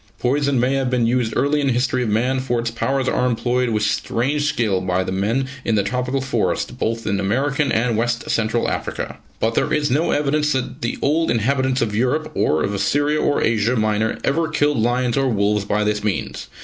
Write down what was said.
Poison may have been used early in the history of man, for its powers are employed with strange skill by the men in the tropical forest, both in American and West Central Africa. But there is no evidence that the old inhabitants of Europe, or of Assyria or Asia Minor, ever killed lions or wolves by this means.